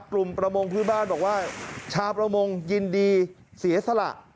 ประมงพื้นบ้านบอกว่าชาวประมงยินดีเสียสละ